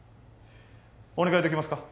お願いできますか？